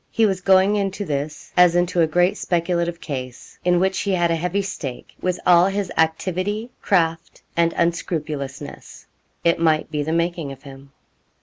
He was going into this as into a great speculative case, in which he had a heavy stake, with all his activity, craft, and unscrupulousness. It might be the making of him.